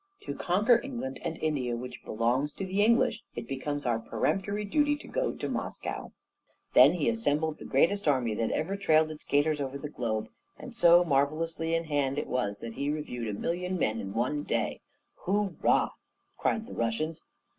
To conquer England, and India which belongs to the English, it becomes our peremptory duty to go to Moscow,' Then he assembled the greatest army that ever trailed its gaiters over the globe; and so marvellously in hand it was that he reviewed a million of men in one day. 'Hourra!' cried the Russians.